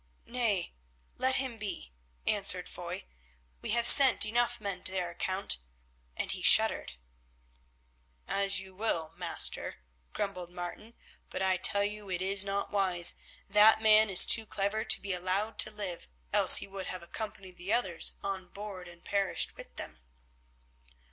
"Nay, let him be," answered Foy, "we have sent enough men to their account," and he shuddered. "As you will, master," grumbled Martin, "but I tell you it is not wise. That man is too clever to be allowed to live, else he would have accompanied the others on board and perished with them."